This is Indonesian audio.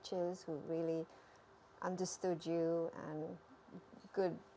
ketika kamu berkembang